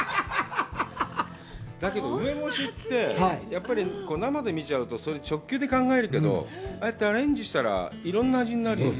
だけど、梅干しって、生で見ちゃうと、直球で考えるけど、ああやってアレンジしたら、いろんな味になるよね。